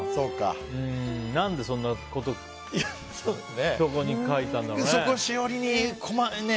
何でそんなことしおりに書いたんだろうね。